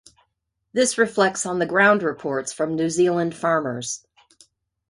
This reflects on the ground reports from New Zealand farmers.